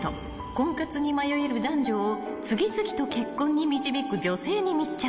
［婚活に迷える男女を次々と結婚に導く女性に密着］